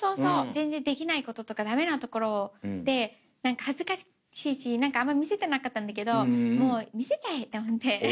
全然できないこととかダメなところって恥ずかしいしあんま見せてなかったんだけどもう見せちゃえ！って思って。